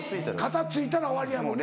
肩ついたら終わりやもんね。